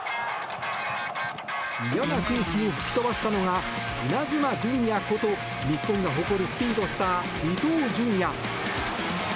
嫌な空気を吹き飛ばしたのがイナズマ純也こと日本が誇るスピードスター伊東純也。